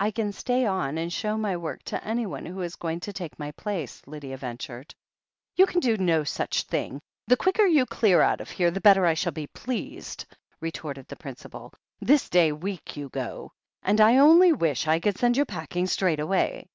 "I can stay on and show my work to anyone who is going to take my place," Lydia ventured. "You can do no such thing. The quicker you clear out of here the better I shall be pleased," retorted the principal. "This day week you go, and I only wish I could send you packing straight away."